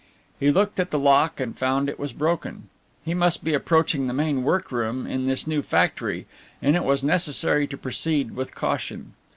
He looked at the lock and found it was broken. He must be approaching the main workroom in this new factory, and it was necessary to proceed with caution.